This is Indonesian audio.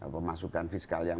pemasukan fiskal yang